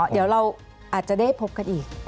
เดี๋ยวเราอาจจะได้พบกันอีก